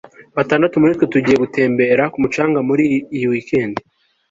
batandatu muri twe tugiye gutembera ku mucanga muri iyi weekend